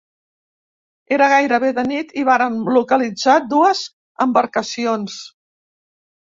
Era gairebé de nit i vàrem localitzar dues embarcacions.